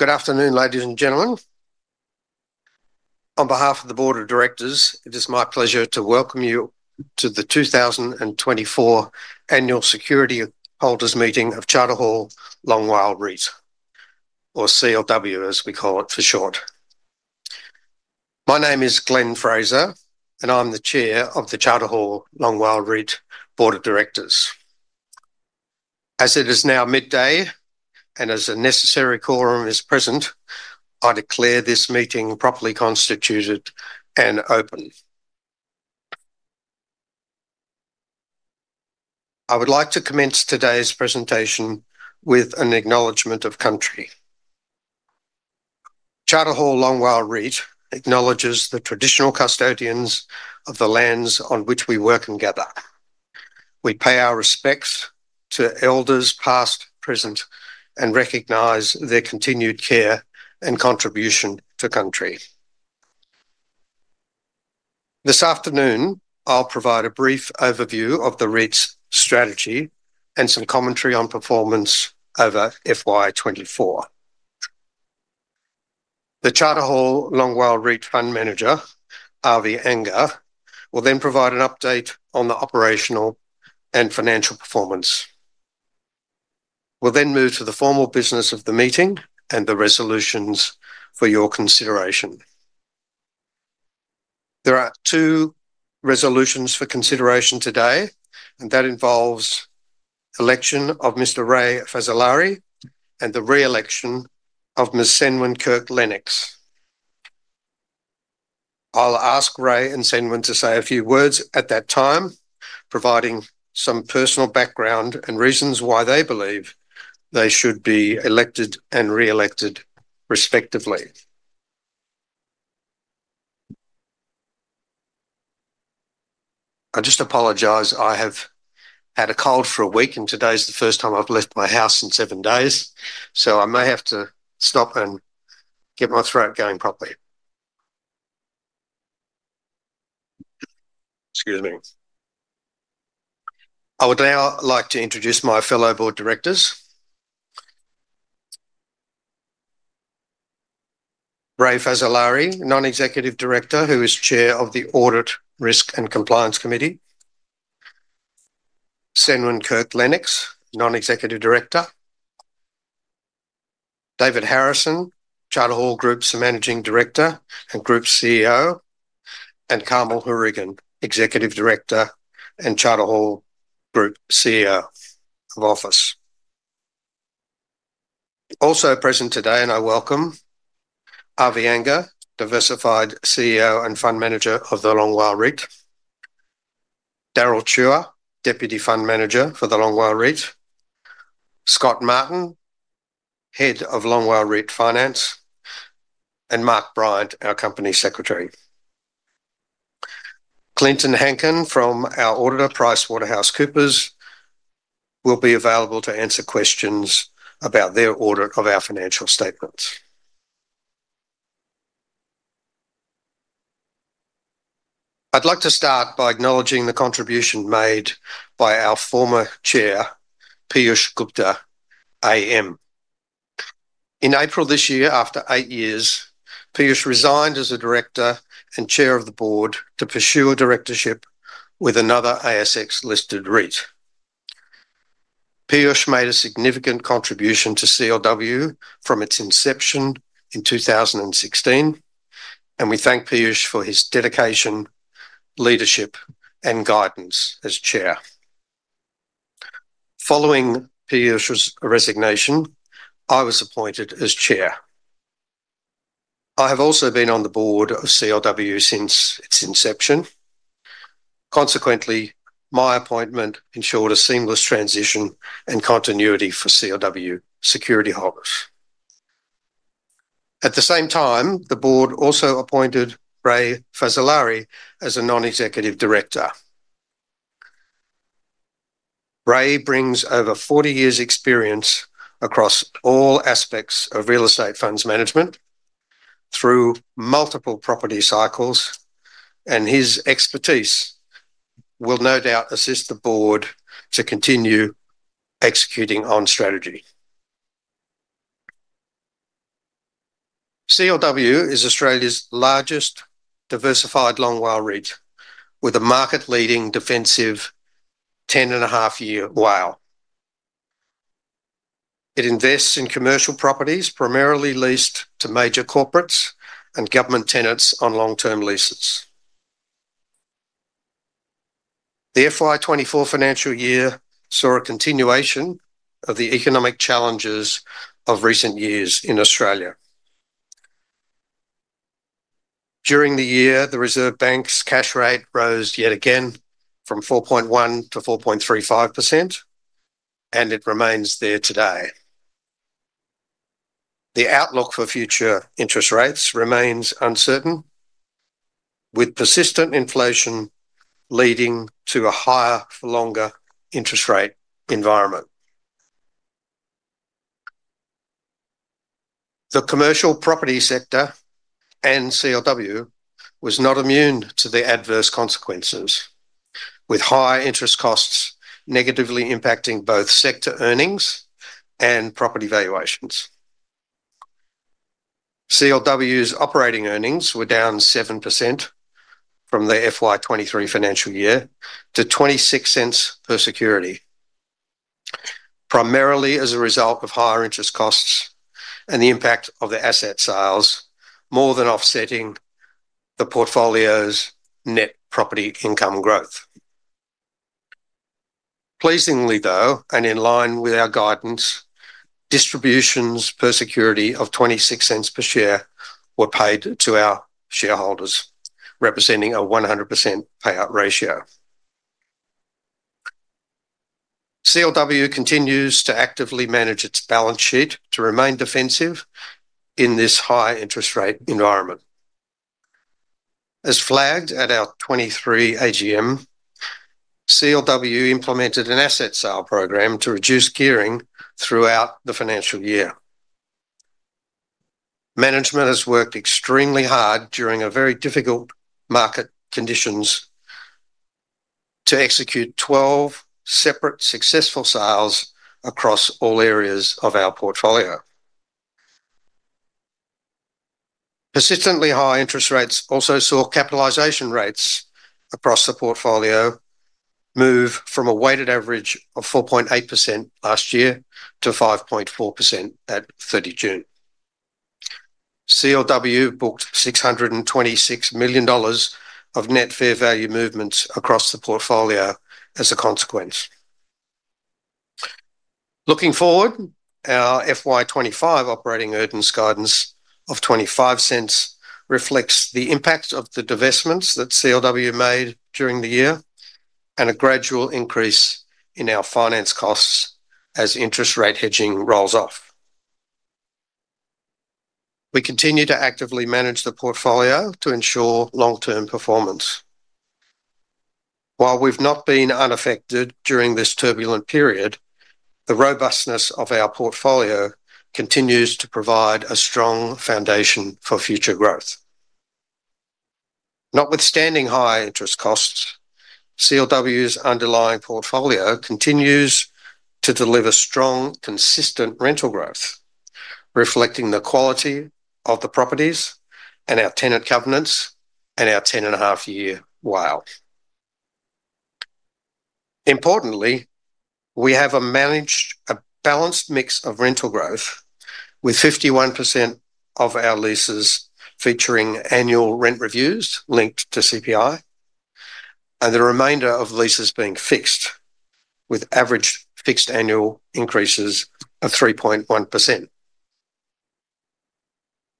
Good afternoon, ladies and gentlemen. On behalf of the Board of Directors, it is my pleasure to welcome you to the 2024 Annual Security Holders Meeting of Charter Hall Long WALE REIT, or CLW, as we call it for short. My name is Glenn Fraser, and I'm the Chair of the Charter Hall Long WALE REIT Board of Directors. As it is now midday, and as a necessary quorum is present, I declare this meeting properly constituted and open. I would like to commence today's presentation with an acknowledgement of country. Charter Hall Long WALE REIT acknowledges the traditional custodians of the lands on which we work and gather. We pay our respects to elders past, present, and recognize their continued care and contribution to country. This afternoon, I'll provide a brief overview of the REIT's strategy and some commentary on performance over FY 2024. The Charter Hall Long WALE REIT Fund Manager, Avi Anger, will then provide an update on the operational and financial performance. We'll then move to the formal business of the meeting and the resolutions for your consideration. There are two resolutions for consideration today, and that involves election of Mr. Ray Fazzolari and the re-election of Ms. Ceinwen Kirk-Lennox. I'll ask Ray and Ceinwen to say a few words at that time, providing some personal background and reasons why they believe they should be elected and re-elected, respectively.I just apologize, I have had a cold for a week, and today's the first time I've left my house in seven days, so I may have to stop and get my throat going properly. Excuse me. I would now like to introduce my fellow board directors: Ray Fazzolari, Non-Executive Director, who is Chair of the Audit, Risk and Compliance Committee; Ceinwen Kirk-Lennox, Non-Executive Director; David Harrison, Charter Hall Group's Managing Director and Group CEO; and Carmel Hourigan, Executive Director and Charter Hall Group CEO of Office. Also present today, and I welcome, Avi Anger, Diversified CEO and Fund Manager of the Long WALE REIT; Daryl Chua, Deputy Fund Manager for the Long WALE REIT; Scott Martin, Head of Long WALE REIT Finance; and Mark Bryant, our Company Secretary. Clinton Hankin from our auditor, PricewaterhouseCoopers, will be available to answer questions about their audit of our financial statements. I'd like to start by acknowledging the contribution made by our former chair, Peeyush Gupta, AM. In April this year, after eight years, Peeyush resigned as a director and chair of the board to pursue a directorship with another ASX-listed REIT. Peeyush made a significant contribution to CLW from its inception in 2016, and we thank Peeyush for his dedication, leadership, and guidance as chair. Following Peeyush's resignation, I was appointed as chair. I have also been on the board of CLW since its inception. Consequently, my appointment ensured a seamless transition and continuity for CLW security holders. At the same time, the board also appointed Ray Fazzolari as a Non-Executive Director. Ray brings over 40 years' experience across all aspects of real estate funds management through multiple property cycles, and his expertise will no doubt assist the board to continue executing on strategy. CLW is Australia's largest diversified Long WALE REIT, with a market-leading defensive 10.5-year WALE. It invests in commercial properties, primarily leased to major corporates and government tenants on long-term leases. The FY 2024 financial year saw a continuation of the economic challenges of recent years in Australia. During the year, the Reserve Bank's cash rate rose yet again from 4.1%-4.35%, and it remains there today. The outlook for future interest rates remains uncertain, with persistent inflation leading to a higher, longer interest rate environment. The commercial property sector, and CLW, was not immune to the adverse consequences, with high interest costs negatively impacting both sector earnings and property valuations. CLW's operating earnings were down 7% from the FY 2023 financial year to 0.26 per security, primarily as a result of higher interest costs and the impact of the asset sales, more than offsetting the portfolio's net property income growth. Pleasingly, though, and in line with our guidance, distributions per security of 0.26 per share were paid to our shareholders, representing a 100% payout ratio. CLW continues to actively manage its balance sheet to remain defensive in this high interest rate environment. As flagged at our 2023 AGM, CLW implemented an asset sale program to reduce gearing throughout the financial year. Management has worked extremely hard during a very difficult market conditions to execute twelve separate successful sales across all areas of our portfolio. Persistently high interest rates also saw capitalization rates across the portfolio move from a weighted average of 4.8% last year to 5.4% at 30 June. CLW booked 626 million dollars of net fair value movements across the portfolio as a consequence. Looking forward, our FY 2025 operating earnings guidance of 0.25 reflects the impact of the divestments that CLW made during the year and a gradual increase in our finance costs as interest rate hedging rolls off. We continue to actively manage the portfolio to ensure long-term performance. While we've not been unaffected during this turbulent period, the robustness of our portfolio continues to provide a strong foundation for future growth. Notwithstanding high interest costs, CLW's underlying portfolio continues to deliver strong, consistent rental growth, reflecting the quality of the properties and our tenant covenants and our 10.5-year WALE. Importantly, we have a balanced mix of rental growth, with 51% of our leases featuring annual rent reviews linked to CPI, and the remainder of leases being fixed, with average fixed annual increases of 3.1%.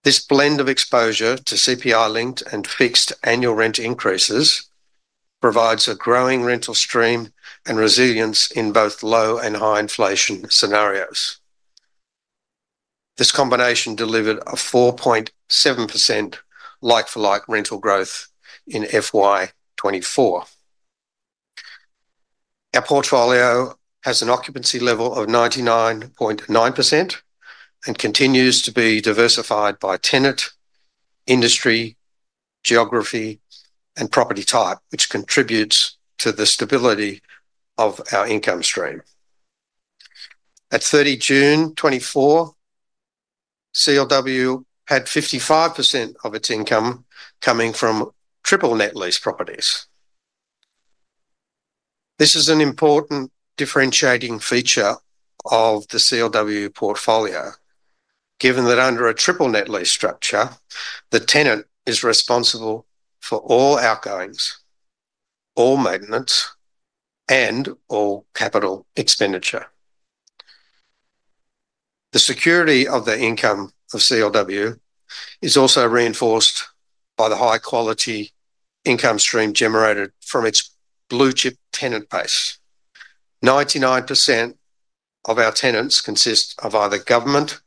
This blend of exposure to CPI-linked and fixed annual rent increases provides a growing rental stream and resilience in both low and high inflation scenarios. This combination delivered a 4.7% like-for-like rental growth in FY 2024. Our portfolio has an occupancy level of 99.9% and continues to be diversified by tenant, industry, geography, and property type, which contributes to the stability of our income stream. At 30 June 2024, CLW had 55% of its income coming from triple net lease properties. This is an important differentiating feature of the CLW portfolio, given that under a triple net lease structure, the tenant is responsible for all outgoings, all maintenance, and all capital expenditure. The security of the income of CLW is also reinforced by the high quality income stream generated from its blue chip tenant base. 99% of our tenants consist of either government,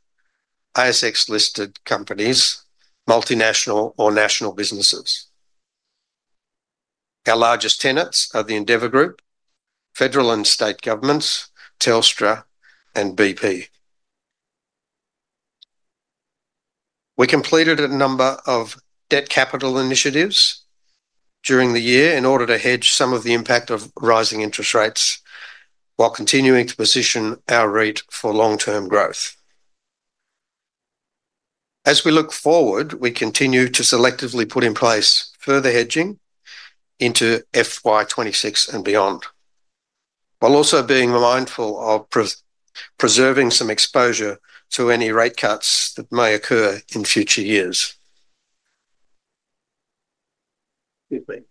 ASX-listed companies, multinational or national businesses. Our largest tenants are the Endeavour Group, federal and state governments, Telstra and BP. We completed a number of debt capital initiatives during the year in order to hedge some of the impact of rising interest rates while continuing to position our REIT for long-term growth. As we look forward, we continue to selectively put in place further hedging into FY 2026 and beyond, while also being mindful of preserving some exposure to any rate cuts that may occur in future years. Excuse me.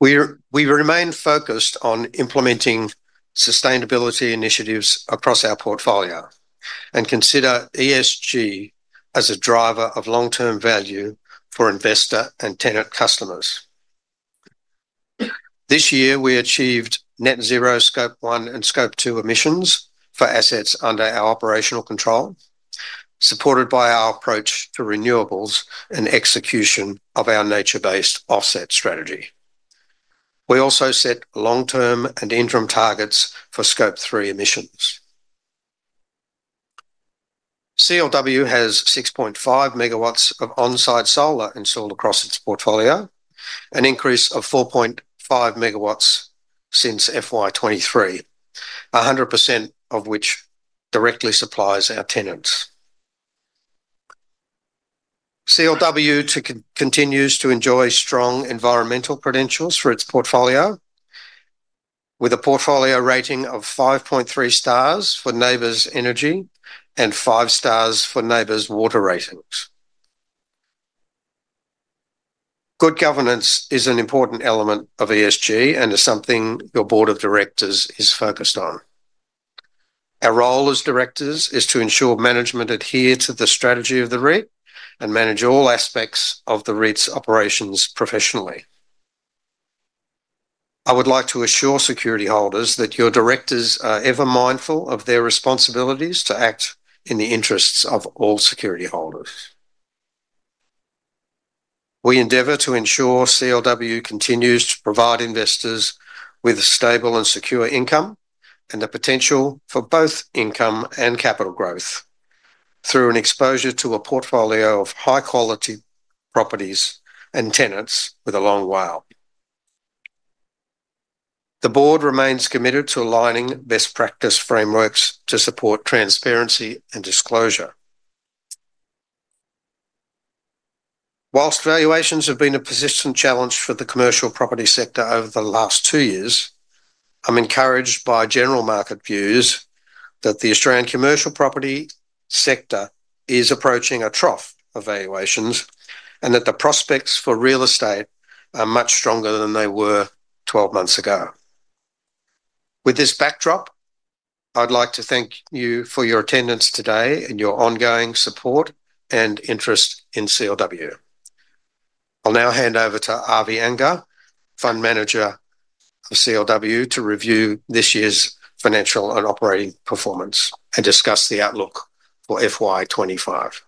We remain focused on implementing sustainability initiatives across our portfolio and consider ESG as a driver of long-term value for investor and tenant customers. This year, we achieved net zero Scope 1 and Scope 2 emissions for assets under our operational control, supported by our approach to renewables and execution of our nature-based offset strategy. We also set long-term and interim targets for Scope 3 emissions. CLW has 6.5 MW of on-site solar installed across its portfolio, an increase of 4.5 MW since FY 2023, 100% of which directly supplies our tenants. CLW continues to enjoy strong environmental credentials for its portfolio, with a portfolio rating of 5.3 stars for NABERS Energy and 5 stars for NABERS Water ratings. Good governance is an important element of ESG and is something your board of directors is focused on. Our role as directors is to ensure management adhere to the strategy of the REIT and manage all aspects of the REIT's operations professionally. I would like to assure security holders that your directors are ever mindful of their responsibilities to act in the interests of all security holders. We endeavor to ensure CLW continues to provide investors with a stable and secure income, and the potential for both income and capital growth through an exposure to a portfolio of high-quality properties and tenants with a long WALE. The board remains committed to aligning best practice frameworks to support transparency and disclosure. While valuations have been a persistent challenge for the commercial property sector over the last two years, I'm encouraged by general market views that the Australian commercial property sector is approaching a trough of valuations, and that the prospects for real estate are much stronger than they were twelve months ago. With this backdrop, I'd like to thank you for your attendance today and your ongoing support and interest in CLW. I'll now hand over to Avi Anger, Fund Manager of CLW, to review this year's financial and operating performance and discuss the outlook for FY 2025.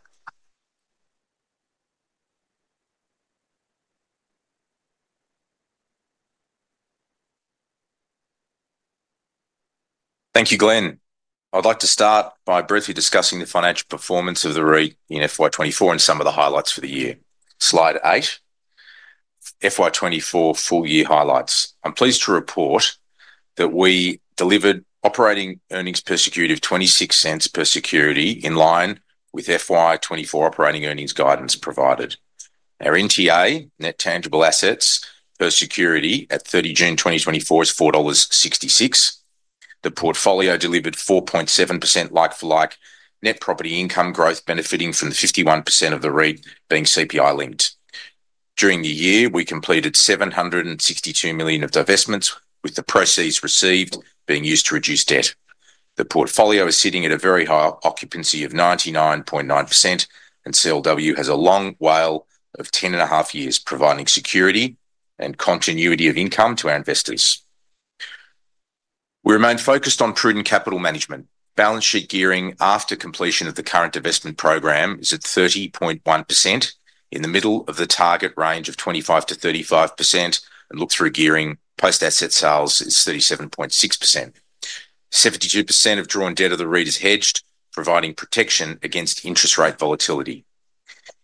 Thank you, Glenn. I'd like to start by briefly discussing the financial performance of the REIT in FY 2024 and some of the highlights for the year. Slide 8, FY 2024 full year highlights. I'm pleased to report that we delivered operating earnings per security of 0.26 per security, in line with FY 2024 operating earnings guidance provided. Our NTA, net tangible assets, per security at 30 June 2024 is AUD 4.66. The portfolio delivered 4.7% like-for-like net property income growth, benefiting from the 51% of the REIT being CPI linked. During the year, we completed 762 million of divestments, with the proceeds received being used to reduce debt. The portfolio is sitting at a very high occupancy of 99.9%, and CLW has a long WALE of ten and a half years, providing security and continuity of income to our investors. We remain focused on prudent capital management. Balance sheet gearing after completion of the current investment program is at 30.1%, in the middle of the target range of 25%-35%, and look-through gearing post-asset sales is 37.6%. 72% of drawn debt of the REIT is hedged, providing protection against interest rate volatility.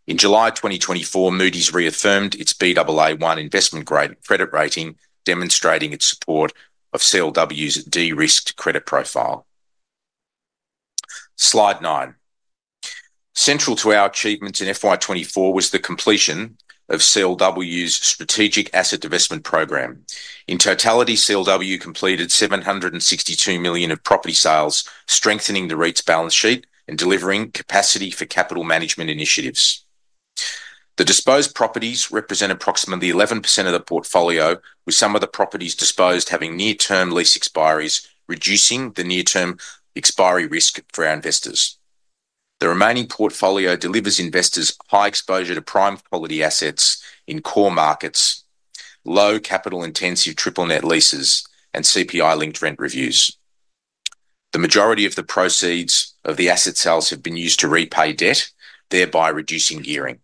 In July 2024, Moody's reaffirmed its Baa1 investment-grade credit rating, demonstrating its support of CLW's de-risked credit profile. Slide nine. Central to our achievements in FY 2024 was the completion of CLW's strategic asset divestment program. In totality, CLW completed 762 million of property sales, strengthening the REIT's balance sheet and delivering capacity for capital management initiatives. The disposed properties represent approximately 11% of the portfolio, with some of the properties disposed having near-term lease expiries, reducing the near-term expiry risk for our investors. The remaining portfolio delivers investors high exposure to prime quality assets in core markets, low capital intensive triple net leases, and CPI-linked rent reviews. The majority of the proceeds of the asset sales have been used to repay debt, thereby reducing gearing.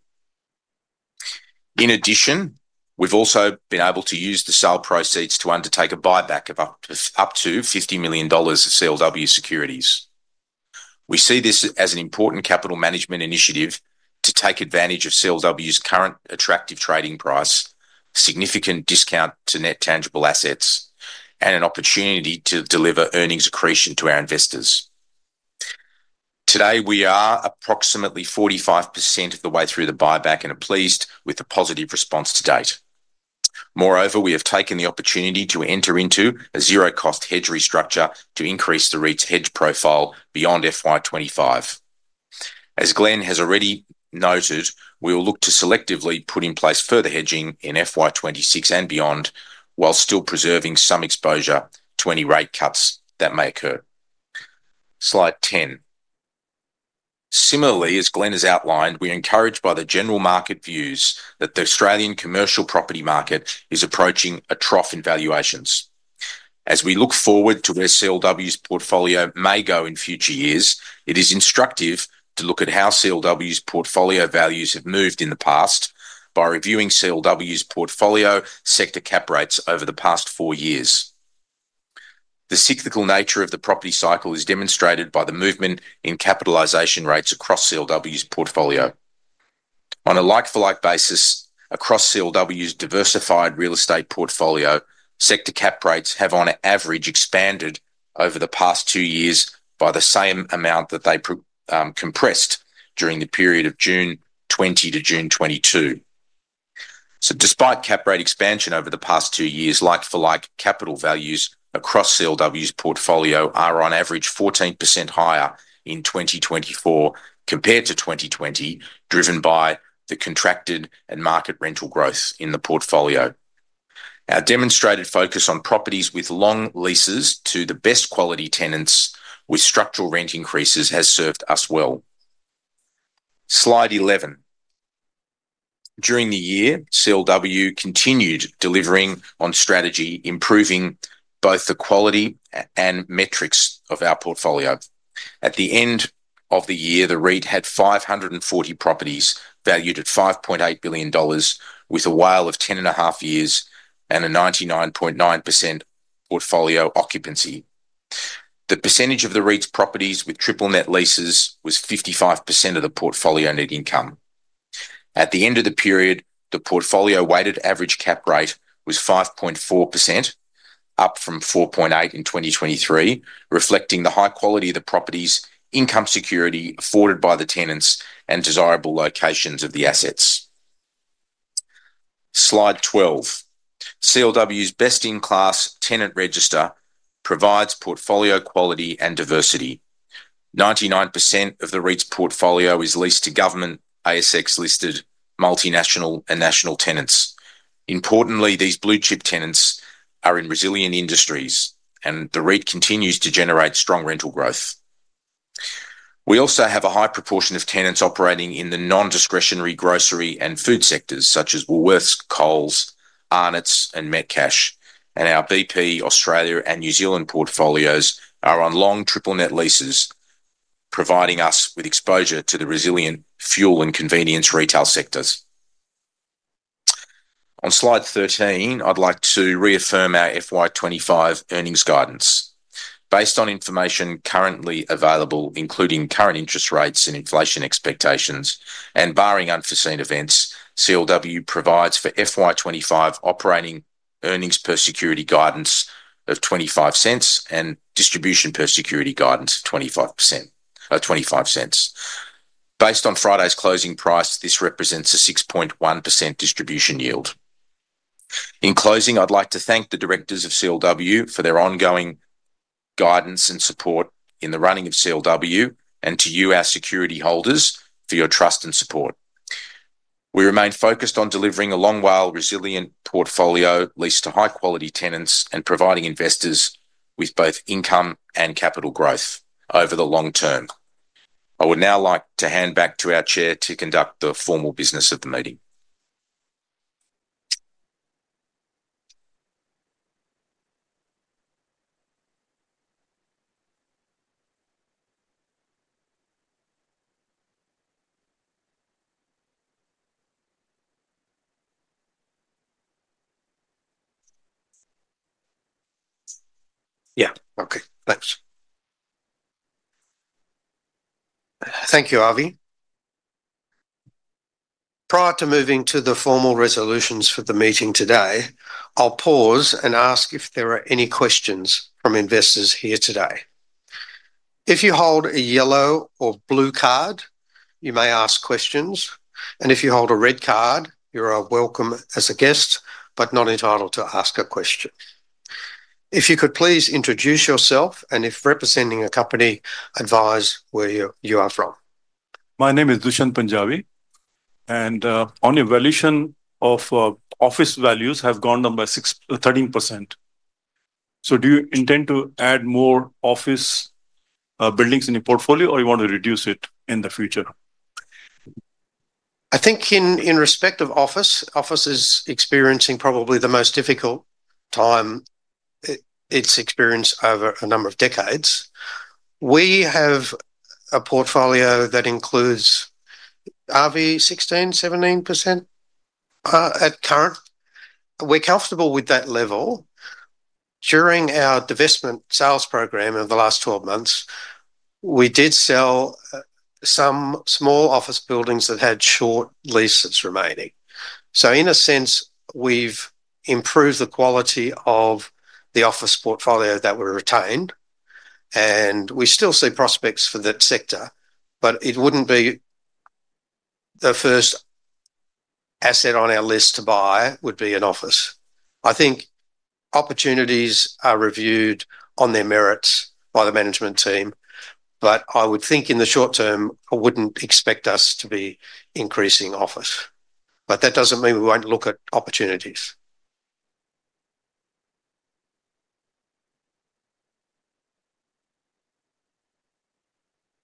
In addition, we've also been able to use the sale proceeds to undertake a buyback of up to 50 million dollars of CLW securities. We see this as an important capital management initiative to take advantage of CLW's current attractive trading price, significant discount to net tangible assets, and an opportunity to deliver earnings accretion to our investors. Today, we are approximately 45% of the way through the buyback and are pleased with the positive response to date. Moreover, we have taken the opportunity to enter into a zero-cost hedge restructure to increase the REIT's hedge profile beyond FY 2025. As Glenn has already noted, we will look to selectively put in place further hedging in FY 2026 and beyond, while still preserving some exposure to any rate cuts that may occur. Slide 10. Similarly, as Glenn has outlined, we're encouraged by the general market views that the Australian commercial property market is approaching a trough in valuations. As we look forward to where CLW's portfolio may go in future years, it is instructive to look at how CLW's portfolio values have moved in the past by reviewing CLW's portfolio sector cap rates over the past four years. The cyclical nature of the property cycle is demonstrated by the movement in capitalization rates across CLW's portfolio. On a like-for-like basis, across CLW's diversified real estate portfolio, sector cap rates have, on average, expanded over the past two years by the same amount that they compressed during the period of June 2020-June 2022. So despite cap rate expansion over the past two years, like-for-like capital values across CLW's portfolio are, on average, 14% higher in 2024 compared to 2020, driven by the contracted and market rental growth in the portfolio. Our demonstrated focus on properties with long leases to the best quality tenants with structural rent increases has served us well. Slide 11. During the year, CLW continued delivering on strategy, improving both the quality and metrics of our portfolio. At the end of the year, the REIT had 540 properties valued at 5.8 billion dollars, with a WALE of 10.5 years and a 99.9% portfolio occupancy. The percentage of the REIT's properties with triple net leases was 55% of the portfolio net income. At the end of the period, the portfolio weighted average cap rate was 5.4%, up from 4.8% in 2023, reflecting the high quality of the property's income security afforded by the tenants and desirable locations of the assets. Slide 12. CLW's best-in-class tenant register provides portfolio quality and diversity. 99% of the REIT's portfolio is leased to government, ASX-listed, multinational, and national tenants. Importantly, these blue-chip tenants are in resilient industries, and the REIT continues to generate strong rental growth. We also have a high proportion of tenants operating in the non-discretionary grocery and food sectors, such as Woolworths, Coles, Arnott's, and Metcash, and our BP Australia and New Zealand portfolios are on long triple net leases, providing us with exposure to the resilient fuel and convenience retail sectors. On Slide 13, I'd like to reaffirm our FY 2025 earnings guidance. Based on information currently available, including current interest rates and inflation expectations, and barring unforeseen events, CLW provides for FY 2025 operating earnings per security guidance of 0.25 and distribution per security guidance of twenty-five percent... twenty-five cents. Based on Friday's closing price, this represents a 6.1% distribution yield. In closing, I'd like to thank the directors of CLW for their ongoing guidance and support in the running of CLW, and to you, our security holders, for your trust and support. We remain focused on delivering a long WALE, resilient portfolio, lease to high-quality tenants, and providing investors with both income and capital growth over the long term. I would now like to hand back to our chair to conduct the formal business of the meeting. Yeah, okay. Thanks. Thank you, Avi. Prior to moving to the formal resolutions for the meeting today, I'll pause and ask if there are any questions from investors here today. If you hold a yellow or blue card, you may ask questions, and if you hold a red card, you are welcome as a guest, but not entitled to ask a question. If you could please introduce yourself, and if representing a company, advise where you are from. My name is Darshan Punjabi, and on evaluation of office values have gone down by 13%. So do you intend to add more office buildings in your portfolio, or you want to reduce it in the future? I think in respect of office, office is experiencing probably the most difficult time it's experienced over a number of decades. We have a portfolio that includes or 16%-17% at current. We're comfortable with that level. During our divestment sales program over the last 12 months, we did sell some small office buildings that had short leases remaining. So in a sense, we've improved the quality of the office portfolio that we retained, and we still see prospects for that sector, but it wouldn't be the first asset on our list to buy, would be an office. I think opportunities are reviewed on their merits by the management team, but I would think in the short term, I wouldn't expect us to be increasing office, but that doesn't mean we won't look at opportunities....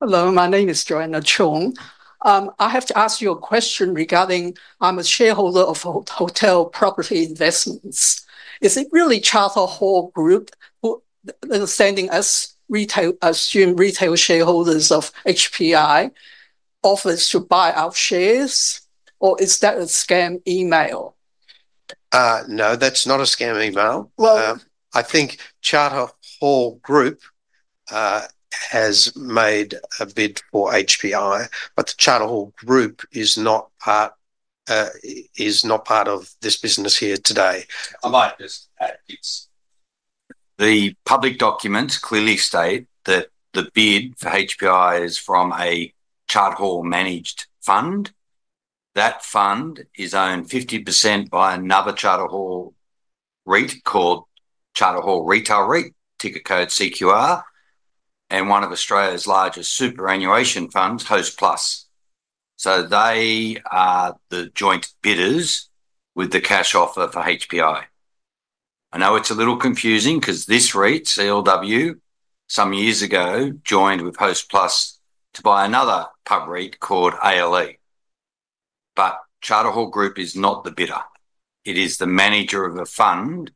Hello, my name is Joanna Chung. I have to ask you a question regarding, I'm a shareholder of Hotel Property Investments. Is it really Charter Hall Group who, understanding as retail, as assume retail shareholders of HPI, offers to buy our shares, or is that a scam email? No, that's not a scam email. Well- I think Charter Hall Group has made a bid for HPI, but the Charter Hall Group is not part of this business here today. I might just add, it's. The public documents clearly state that the bid for HPI is from a Charter Hall managed fund. That fund is owned 50% by another Charter Hall REIT called Charter Hall Retail REIT, ticker code CQR, and one of Australia's largest superannuation funds, Hostplus. So they are the joint bidders with the cash offer for HPI. I know it's a little confusing, 'cause this REIT, CLW, some years ago joined with Hostplus to buy another pub REIT called ALE. But Charter Hall Group is not the bidder. It is the manager of a fund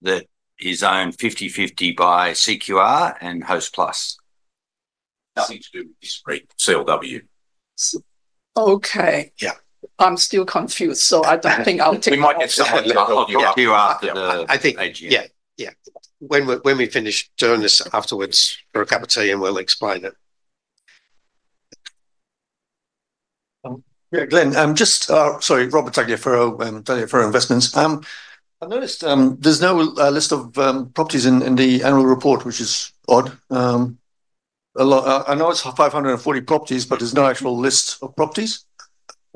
that is owned 50/50 by CQR and Hostplus. Nothing to do with this REIT, CLW. S- okay. Yeah. I'm still confused, so I don't think I'll take- We might get someone to help you out. Yeah, yeah. When we, when we finish doing this, afterwards, for a cup of tea, and we'll explain it. Yeah, Glenn, just... Sorry, Robert Tagliaferro, Tagliaferro Investments. I've noticed there's no list of properties in the annual report, which is odd. I know it's 540 properties, but there's no actual list of properties,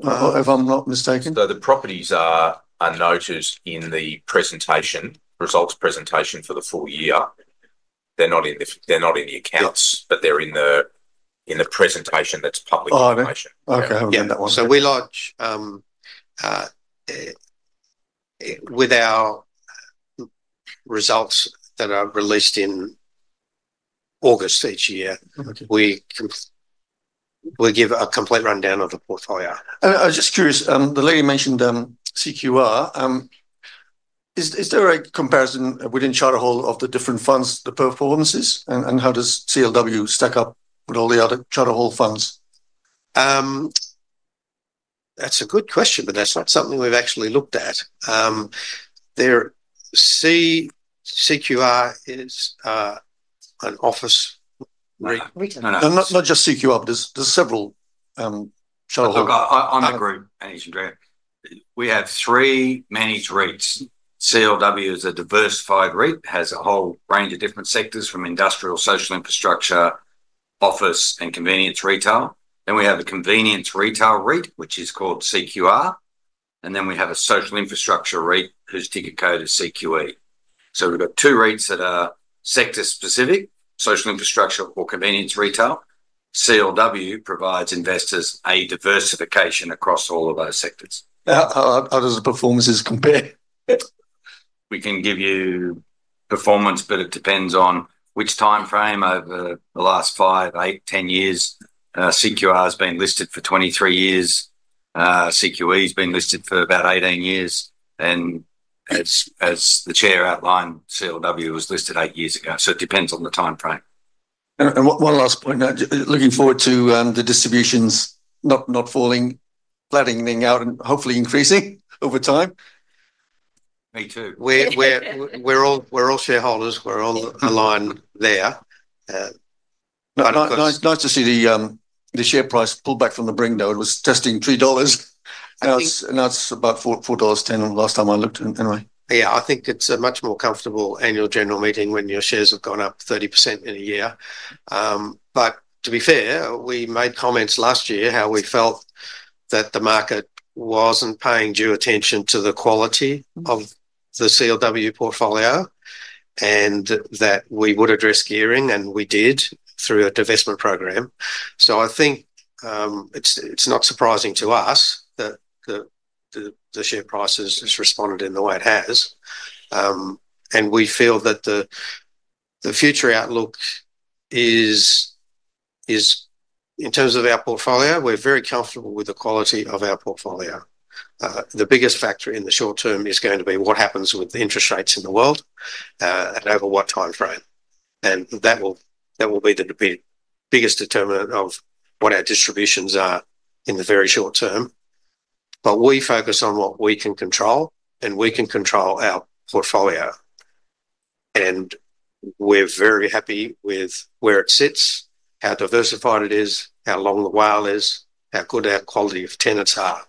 if I'm not mistaken. So the properties are noted in the presentation, results presentation for the full year. They're not in the accounts... but they're in the presentation that's public information. Oh, okay. Okay, got that one. So we lodge with our results that are released in August each year.... we give a complete rundown of the portfolio. I'm just curious, the lady mentioned CQR. Is there a comparison within Charter Hall of the different funds, the performances? And how does CLW stack up with all the other Charter Hall funds? That's a good question, but that's not something we've actually looked at. Their CQR is an office REIT. No, no. Not, not just CQR, but there's, there's several, Charter Hall- Look, on the group, and you can grab, we have three managed REITs. CLW is a diversified REIT, has a whole range of different sectors from industrial, social infrastructure, office, and convenience retail. Then we have a convenience retail REIT, which is called CQR, and then we have a social infrastructure REIT, whose ticker code is CQE. So we've got two REITs that are sector-specific, social infrastructure or convenience retail. CLW provides investors a diversification across all of those sectors. How does the performance compare? We can give you performance, but it depends on which timeframe over the last five, eight, 10 years. CQR has been listed for 23 years. CQE's been listed for about 18 years. And as the chair outlined, CLW was listed eight years ago. So it depends on the timeframe. One last point, looking forward to the distributions not falling, flattening out and hopefully increasing over time. Me too. We're all shareholders. We're all aligned there. But of course- Nice to see the share price pull back from the brink, though. It was testing 3 dollars. I think- Now it's about 4.10 dollars, the last time I looked anyway. Yeah, I think it's a much more comfortable annual general meeting when your shares have gone up 30% in a year. But to be fair, we made comments last year how we felt that the market wasn't paying due attention to the quality of the CLW portfolio, and that we would address gearing, and we did through a divestment program. So I think it's not surprising to us that the share price has responded in the way it has. And we feel that the future outlook is, in terms of our portfolio, we're very comfortable with the quality of our portfolio. The biggest factor in the short term is going to be what happens with the interest rates in the world, and over what timeframe. That will be the biggest determinant of what our distributions are in the very short term. But we focus on what we can control, and we can control our portfolio. And we're very happy with where it sits, how diversified it is, how long the WALE is, how good our quality of tenants are.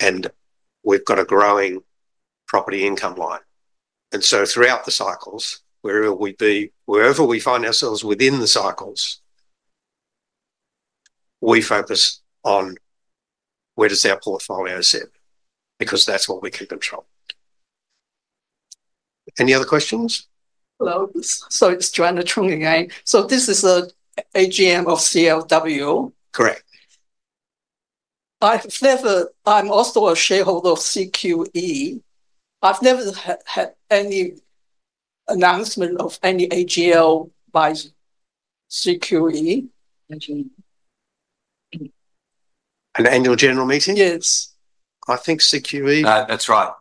And we've got a growing property income line. And so throughout the cycles, wherever we find ourselves within the cycles, we focus on where does our portfolio sit? Because that's what we can control. Any other questions? Hello. So it's Joanna Chung again. So this is the AGM of CLW? Correct.... I've never. I'm also a shareholder of CQE. I've never had any announcement of any AGL by CQE. An Annual General Meeting? Yes. I think CQE- That's right.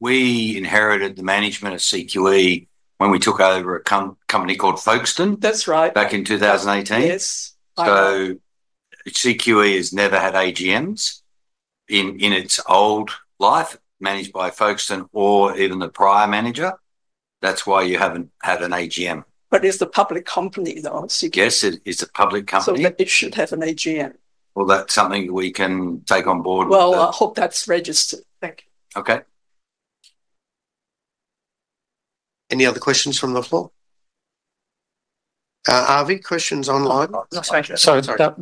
We inherited the management of CQE when we took over a company called Folkestone- That's right... back in 2018. Yes, I know. CQE has never had AGMs in its old life, managed by Folkestone or even the prior manager. That's why you haven't had an AGM. but it's a public company, though, CQE? Yes, it is a public company. So it should have an AGM. That's something we can take on board. I hope that's registered. Thank you. Okay. Any other questions from the floor? Avi, questions online? Sorry,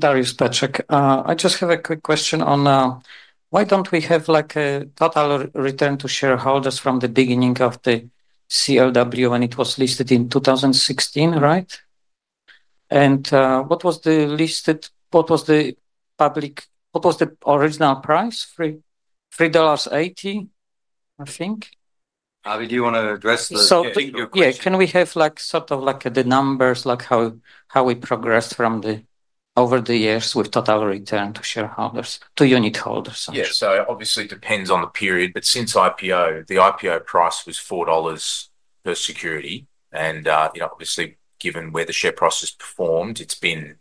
Dariusz Paczek. I just have a quick question on why don't we have, like, a total return to shareholders from the beginning of the CLW when it was listed in 2016, right? And what was the original price? 3.80 dollars, I think. Avi, do you want to address the- Yeah, can we have, like, sort of like the numbers, like, how we progressed from the... over the years with total return to shareholders, to unitholders, I'm sorry? Yeah, so obviously it depends on the period, but since IPO, the IPO price was four dollars per security, and, you know, obviously, given where the share price has performed, it's been,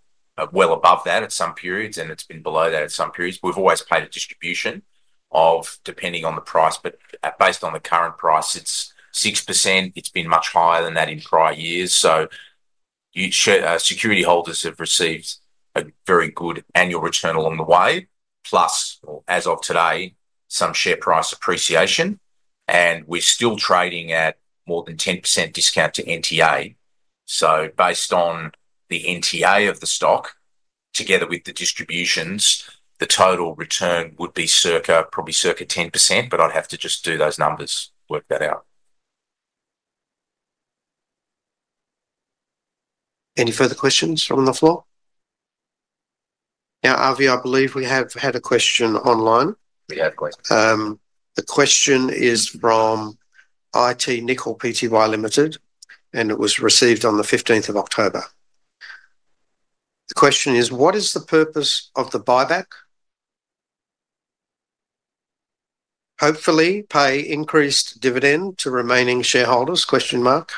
well above that at some periods, and it's been below that at some periods. We've always paid a distribution of, depending on the price, but, based on the current price, it's 6%. It's been much higher than that in prior years. So you security holders have received a very good annual return along the way, plus, as of today, some share price appreciation, and we're still trading at more than 10% discount to NTA. So based on the NTA of the stock, together with the distributions, the total return would be circa, probably circa 10%, but I'd have to just do those numbers, work that out. Any further questions from the floor? Now, Avi, I believe we have had a question online. We have a question. The question is from IT Nickel Pty Limited, and it was received on the 15th of October. The question is: What is the purpose of the buyback? Hopefully, pay increased dividend to remaining shareholders, question mark.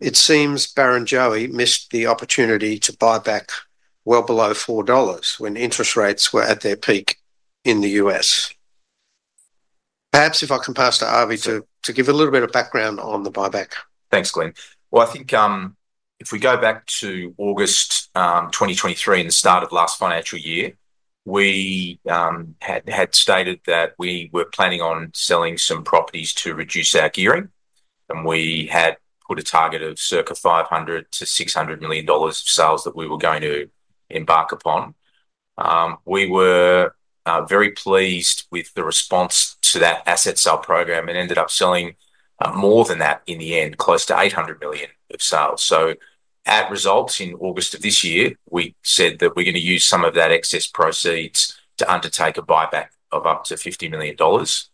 It seems Barrenjoey missed the opportunity to buy back well below 4 dollars when interest rates were at their peak in the U.S. Perhaps if I can pass to Avi to give a little bit of background on the buyback. Thanks, Glenn. Well, I think, if we go back to August, twenty twenty-three, and the start of last financial year, we had stated that we were planning on selling some properties to reduce our gearing, and we had put a target of circa 500-600 million dollars of sales that we were going to embark upon. We were very pleased with the response to that asset sale program and ended up selling more than that in the end, close to 800 million of sales. So at results in August of this year, we said that we're going to use some of that excess proceeds to undertake a buyback of up to 50 million dollars.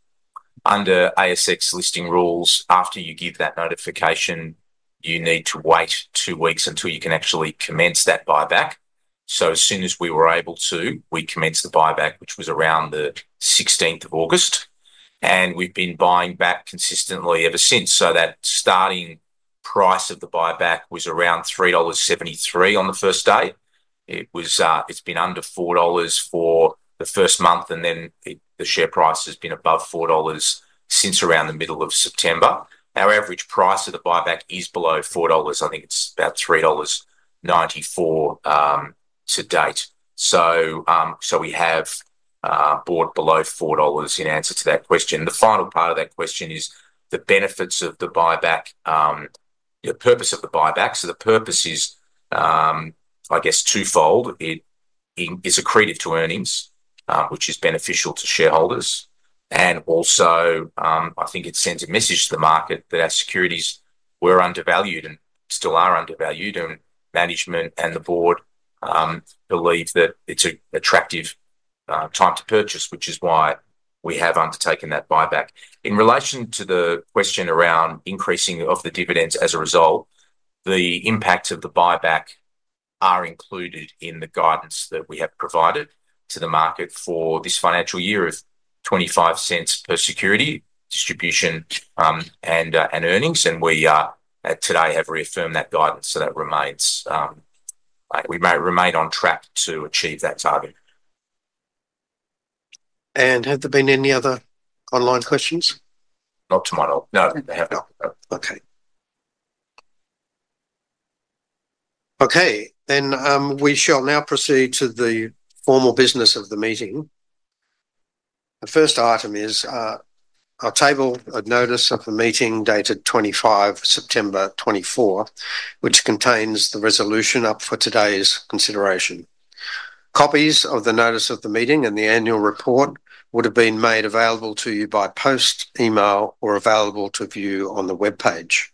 Under ASX listing rules, after you give that notification, you need to wait two weeks until you can actually commence that buyback. So as soon as we were able to, we commenced the buyback, which was around the 16th August, and we've been buying back consistently ever since. So that starting price of the buyback was around 3.73 dollars on the first day. It was, it's been under 4 dollars for the first month, and then the share price has been above 4 dollars since around the middle of September. Our average price of the buyback is below 4 dollars. I think it's about 3.94 dollars to date. So we have bought below 4 dollars in answer to that question. The final part of that question is the benefits of the buyback, the purpose of the buyback. So the purpose is, I guess twofold. It is accretive to earnings, which is beneficial to shareholders, and also, I think it sends a message to the market that our securities were undervalued and still are undervalued, and management and the board believe that it's an attractive time to purchase, which is why we have undertaken that buyback. In relation to the question around increasing of the dividends as a result, the impact of the buyback are included in the guidance that we have provided to the market for this financial year of 0.25 per security, distribution, and earnings, and we today have reaffirmed that guidance, so that remains, like we may remain on track to achieve that target. Have there been any other online questions? No, there haven't. No. Okay. Okay, then, we shall now proceed to the formal business of the meeting. The first item is, I'll table a notice of the meeting dated 25 September 2024, which contains the resolution up for today's consideration. Copies of the notice of the meeting and the annual report would have been made available to you by post, email or available to view on the webpage....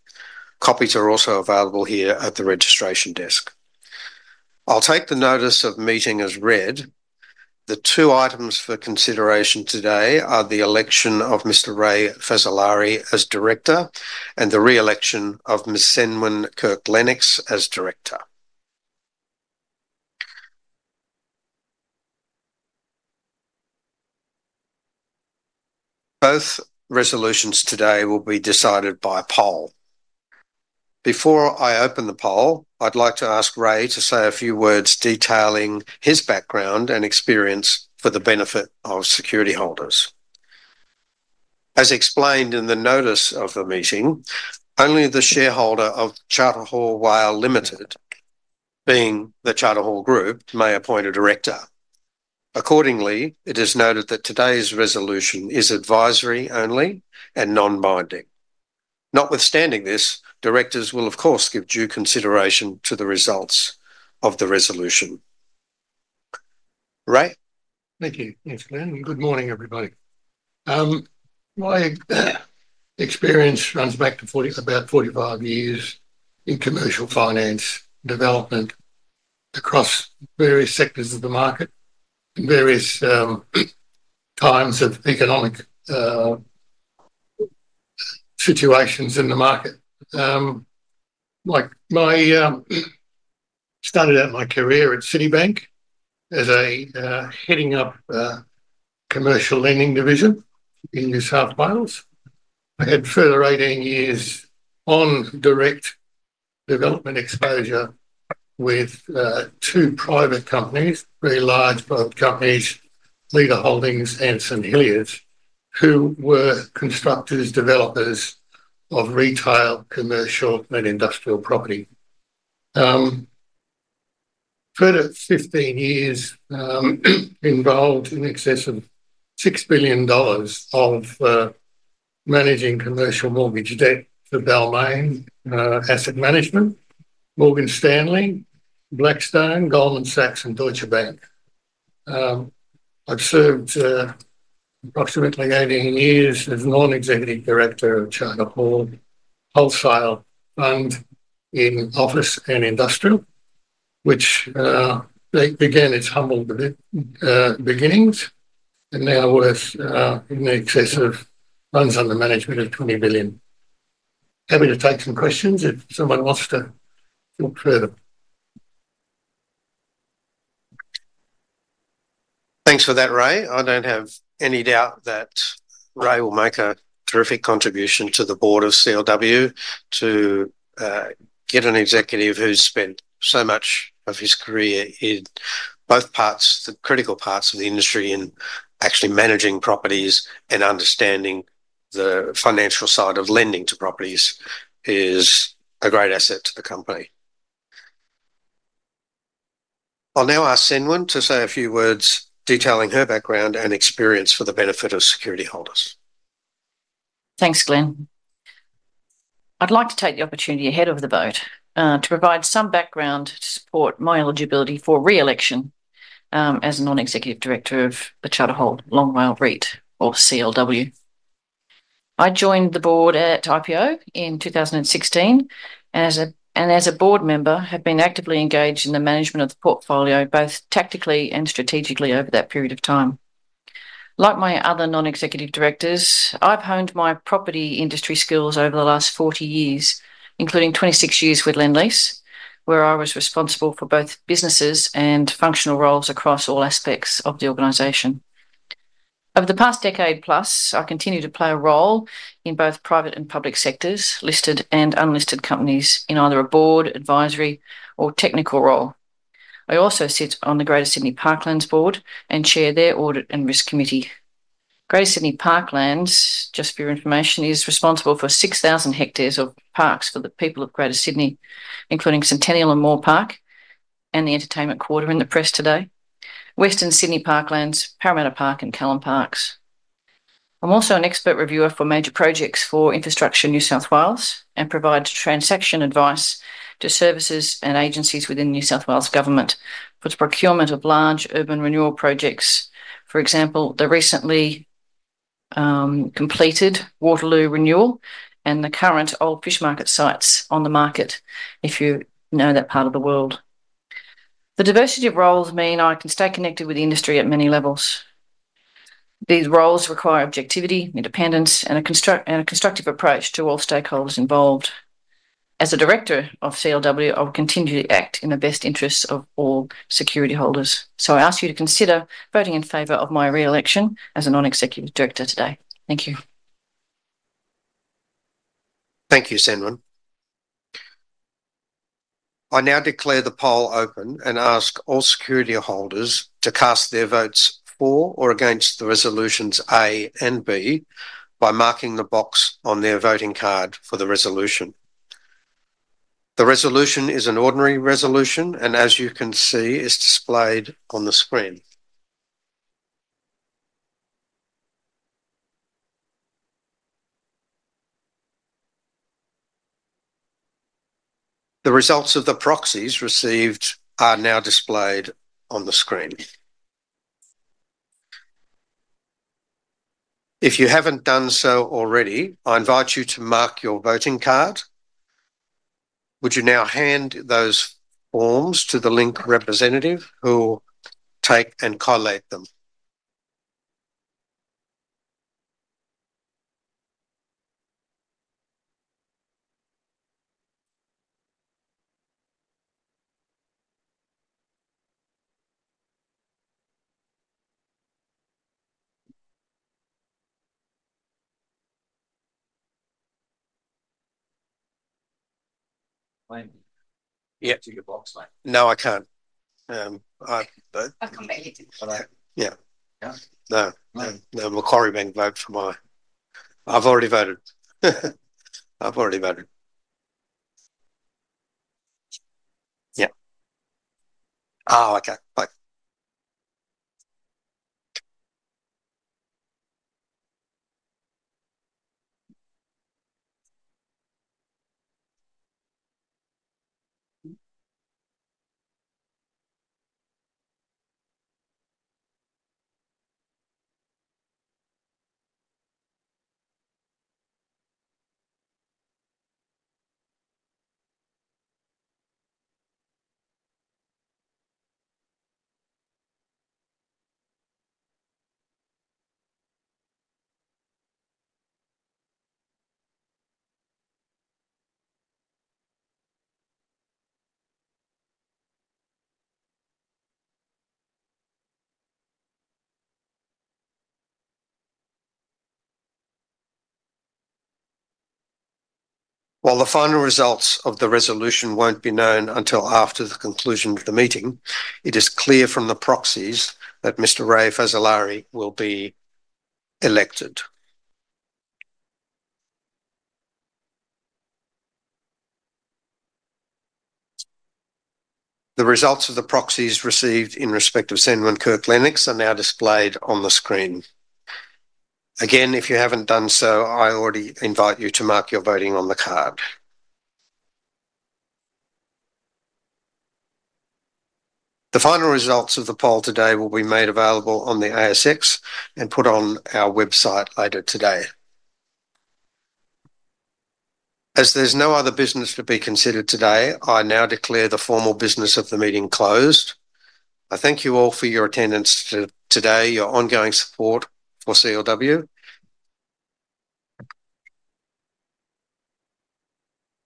Copies are also available here at the registration desk. I'll take the notice of meeting as read. The two items for consideration today are the election of Mr. Ray Fazzolari as director, and the re-election of Ms. Ceinwen Kirk-Lennox as director. Both resolutions today will be decided by poll. Before I open the poll, I'd like to ask Ray to say a few words detailing his background and experience for the benefit of security holders. As explained in the notice of the meeting, only the shareholder of Charter Hall Long WALE REIT, being the Charter Hall Group, may appoint a director. Accordingly, it is noted that today's resolution is advisory only and non-binding. Notwithstanding this, directors will, of course, give due consideration to the results of the resolution. Ray? Thank you. Thanks, Glenn, and good morning, everybody. My experience runs back to about 45 years in commercial finance development across various sectors of the market, in various times of economic situations in the market. Like, I started out my career at Citibank as a heading up a commercial lending division in New South Wales. I had further 18 years on direct development exposure with two private companies, very large private companies, Leda Holdings and St Hilliers, who were constructors, developers of retail, commercial, and industrial property. Further 15 years involved in excess of 6 billion dollars of managing commercial mortgage debt for Balmain Asset Management, Morgan Stanley, Blackstone, Goldman Sachs, and Deutsche Bank. I've served approximately 18 years as a Non-Executive Director of Charter Hall Wholesale Fund in office and industrial, which they began its humble beginnings, and now worth in excess of funds under management of 20 billion. Happy to take some questions if someone wants to look further. Thanks for that, Ray. I don't have any doubt that Ray will make a terrific contribution to the board of CLW. To get an executive who's spent so much of his career in both parts, the critical parts of the industry, in actually managing properties and understanding the financial side of lending to properties, is a great asset to the company. I'll now ask Ceinwen to say a few words detailing her background and experience for the benefit of security holders. Thanks, Glenn. I'd like to take the opportunity ahead of the vote, to provide some background to support my eligibility for re-election, as a Non-Executive Director of the Charter Hall Long WALE REIT, or CLW. I joined the board at IPO in 2016, and as a board member, have been actively engaged in the management of the portfolio, both tactically and strategically over that period of time. Like my other Non-Executive Directors, I've honed my property industry skills over the last 40 years, including 26 years with Lendlease, where I was responsible for both businesses and functional roles across all aspects of the organization. Over the past decade plus, I continue to play a role in both private and public sectors, listed and unlisted companies, in either a board, advisory, or technical role. I also sit on the Greater Sydney Parklands Board and chair their Audit and Risk Committee. Greater Sydney Parklands, just for your information, is responsible for 6,000 hectares of parks for the people of Greater Sydney, including Centennial Park and Moore Park, and the entertainment quarter in the press today, Western Sydney Parklands, Parramatta Park, and Callan Park. I'm also an expert reviewer for major projects for Infrastructure New South Wales, and provide transaction advice to services and agencies within New South Wales Government for the procurement of large urban renewal projects. For example, the recently completed Waterloo Renewal and the current old fish market sites on the market, if you know that part of the world. The diversity of roles mean I can stay connected with the industry at many levels. These roles require objectivity, independence, and a constructive approach to all stakeholders involved. As a director of CLW, I will continue to act in the best interests of all security holders, so I ask you to consider voting in favor of my re-election as a Non-Executive Director today. Thank you. Thank you, Ceinwen. I now declare the poll open and ask all security holders to cast their votes for or against the resolutions A and B by marking the box on their voting card for the resolution. The resolution is an ordinary resolution, and as you can see, is displayed on the screen. The results of the proxies received are now displayed on the screen. If you haven't done so already, I invite you to mark your voting card. Would you now hand those forms to the Link representative, who will take and collate them? Yeah. To your box, mate. No, I can't. I can get you to, but I... Yeah. While the final results of the resolution won't be known until after the conclusion of the meeting, it is clear from the proxies that Mr. Ray Fazzolari will be elected. The results of the proxies received in respect of Ceinwen Kirk-Lennox are now displayed on the screen. Again, if you haven't done so, I already invite you to mark your voting on the card. The final results of the poll today will be made available on the ASX and put on our website later today. As there's no other business to be considered today, I now declare the formal business of the meeting closed. I thank you all for your attendance today, your ongoing support for CLW.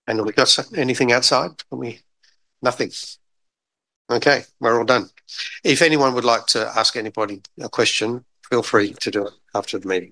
And have we got anything outside? Can we... Nothing. Okay, we're all done. If anyone would like to ask anybody a question, feel free to do it after the meeting.